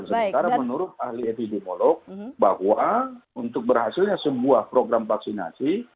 sementara menurut ahli epidemiolog bahwa untuk berhasilnya sebuah program vaksinasi